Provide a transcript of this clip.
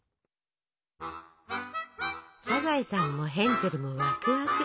サザエさんもヘンゼルもわくわく！